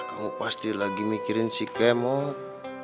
kamu pasti lagi mikirin si kemot